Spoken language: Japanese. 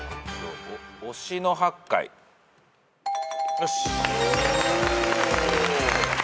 よし。